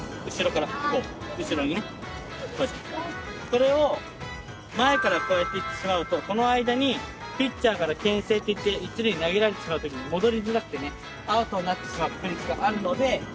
これを前からこうやって行ってしまうとこの間にピッチャーからけん制っていって１塁に投げられてしまうときに戻りづらくてねアウトになってしまう確率があるので必ず後ろから。